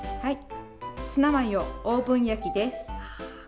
ツナマヨオーブン焼きです。